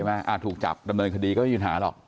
อาจถูกจับดำเนินคดีก็ไม่ยืนหาหรอก